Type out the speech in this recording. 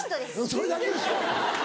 それだけでしょ？